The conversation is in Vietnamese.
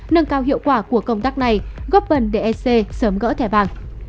nâng cao hiệu quả của công tác này góp bần để sc sớm gỡ thẻ vàng